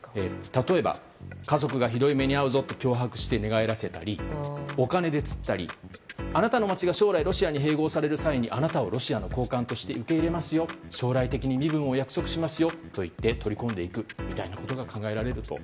例えば家族がひどい目に遭うぞと脅迫して寝返らせたりお金で釣ったり、あなたの街が将来、ロシアに併合される際にあなたをロシアの高官として受け入れますよ、将来的に身分を約束しますよと言って取り込んでいくみたいなことが考えられると。